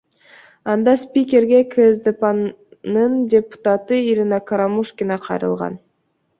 Анда спикерге КСДПнын депутаты Ирина Карамушкина кайрылган.